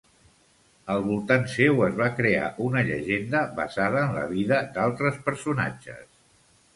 Al voltant seu es va crear una llegenda basada en la vida d'altres personatges.